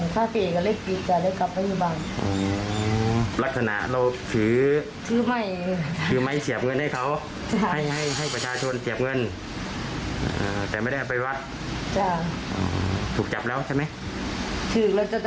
ถือกแล้วจะคุดปรับ๒๐๐บาท